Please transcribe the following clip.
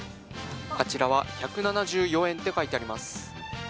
あちらは１７４円と書いてあります。